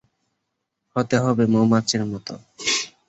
হতে হবে মউমাছির মতো।